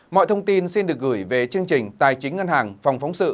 mọi thông tin xin được gửi về chương trình tài chính ngân hàng phòng phóng sự